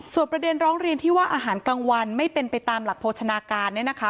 ประเด็นร้องเรียนที่ว่าอาหารกลางวันไม่เป็นไปตามหลักโภชนาการเนี่ยนะคะ